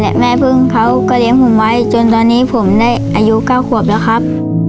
และแม่พึ่งเขาก็เลี้ยงผมไว้จนตอนนี้ผมได้อายุ๙ขวบแล้วครับ